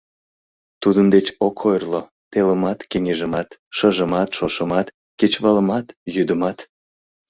Тудын деч ок ойырло телымат-кеҥежымат, шыжымат-шошымат, кечывалымат-йӱдымат...